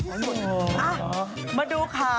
อ้าวมาดูข่าว